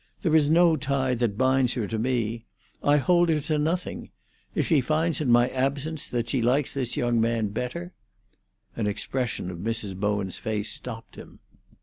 There is no tie that binds her to me. I hold her to nothing. If she finds in my absence that she likes this young man better—" An expression of Mrs. Bowen's face stopped him.